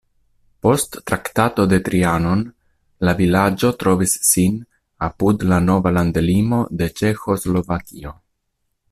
Post Traktato de Trianon la vilaĝo trovis sin apud la nova landlimo de Ĉeĥoslovakio.